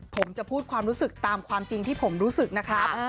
ผมจะพูดความรู้สึกตามความจริงที่ผมรู้สึกนะครับ